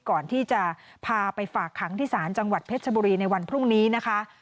ก่อนที่จะพาไปฝากขังที่ศาลจังหวัดเพชรชบุรีในวันพรุ่งนี้นะคะ